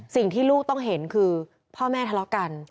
สิ่งที่ลูกต้องเห็นคือพ่อแม่ทะเลาะกัน